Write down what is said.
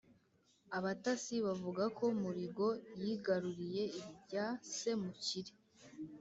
abatasi bavuga ko muligo yigaruriye ibya se mukire;